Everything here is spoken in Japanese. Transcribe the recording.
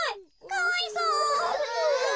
かわいそう。